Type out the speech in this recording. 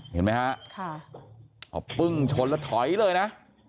เห็นไหมฮะเอาปึ้งชนแล้วถอยเลยนะ